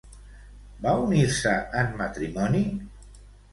Va unir-se en matrimoni?